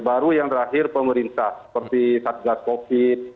baru yang terakhir pemerintah seperti satgas covid sembilan belas